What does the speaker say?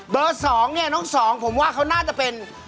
เบอร์สองเนี่ยน้องสองผมว่าเขาน่าจะเป็น